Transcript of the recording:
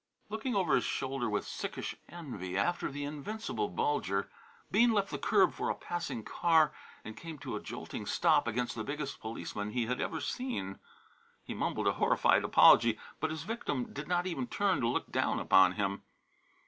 Looking over his shoulder with sickish envy after the invincible Bulger, Bean left the curb for a passing car and came to a jolting stop against the biggest policeman he had ever seen. He mumbled a horrified apology, but his victim did not even turn to look down upon him.